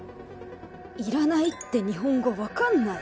いらないって日本語分かんない？